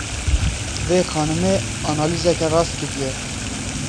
Vê xanimê analîzeke rast kiriye.